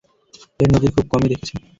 এর নজীর খুব কমই দেখেছে।